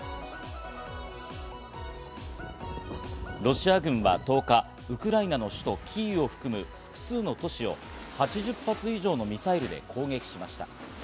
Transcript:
ロシア軍は１０日、ウクライナの首都キーウを含む、複数の都市を８０発以上のミサイルで攻撃しました。